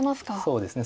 そうですね